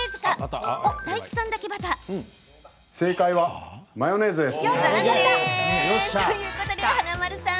正解はマヨネーズです。